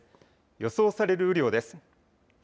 予想される雨量です。